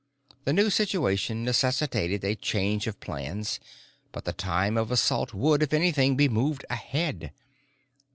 The new situation necessitated a change of plans, but the time of assault would, if anything, be moved ahead.